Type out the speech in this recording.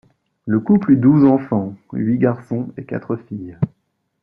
Le couple eut douze enfants, huit garçons et quatre filles.